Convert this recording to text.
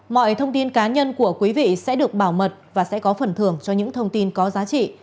mọi thông tin cá nhân của quý vị sẽ được bảo mật và sẽ có phần thưởng cho những thông tin có giá trị